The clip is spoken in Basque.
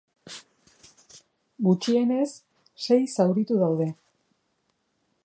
Gutxienez, sei zauritu daude.